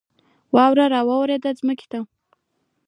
واوره را اوورېده ځمکې ته